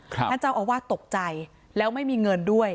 ท่านเจ้าอาวาสตกใจแล้วไม่มีเงินด้วย